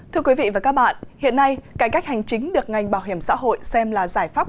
thưa quý vị và các bạn hiện nay cải cách hành chính được ngành bảo hiểm xã hội xem là giải pháp